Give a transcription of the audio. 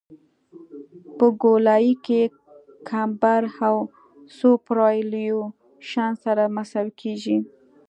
په ګولایي کې کمبر او سوپرایلیویشن سره مساوي کیږي